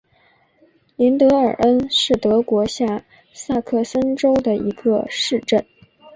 林德尔恩是德国下萨克森州的一个市镇。